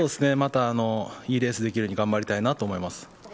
またいいレースができるように頑張りたいと思います。